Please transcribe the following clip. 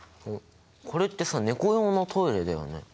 これってさ猫用のトイレだよね。